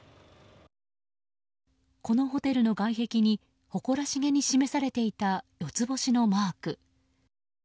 このホテルの外壁に誇らしげに示されていた四つ星のマーク。